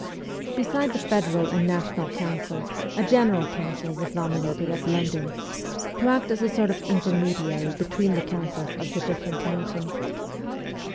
Beside the federal and national councils, a general council was nominated at London, to act as a sort of intermediary between the councils of the different nations.